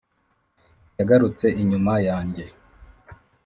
yagarutse inyuma yanjye.